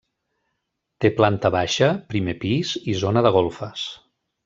Té planta baixa, primer pis i zona de golfes.